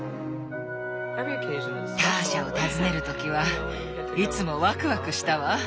ターシャを訪ねる時はいつもワクワクしたわ。